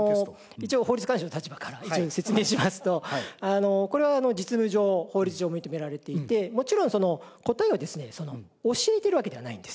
一応法律監修の立場から説明しますとこれは実務上法律上認められていてもちろん答えをですね教えているわけではないんです。